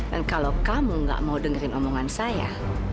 dan kalau kamu nggak mau dengerin omongan saya